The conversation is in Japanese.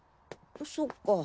そっか。